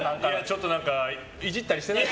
ちょっといじったりしてない？